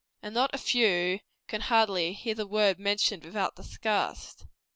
And not a few can hardly hear the word mentioned without disgust.